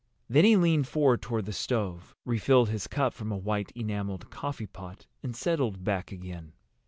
Then he leaned forward toward the stove, refilled his cup from a white enameled coffeepot, and settled back again.